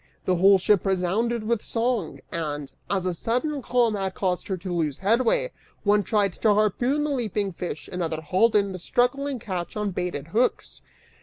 The whole ship resounded with song and, as a sudden calm had caused her to lose headway, one tried to harpoon the leaping fish, another hauled in the struggling catch on baited hooks.